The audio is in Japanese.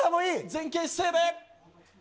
前傾姿勢で。